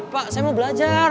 pak saya mau belajar